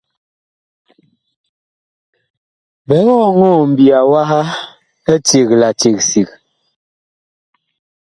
Biig ɔŋɔɔ mbiya waha eceg sig.